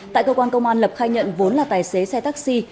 tại cơ quan công an lập khai nhận vốn là tài xế xe taxi